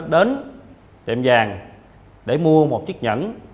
đến tiệm vàng để mua một chiếc nhẫn